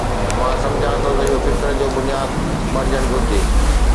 مان سمجهان ٿو ته اهو فڪر جو بنياد بڻجڻ گهرجي.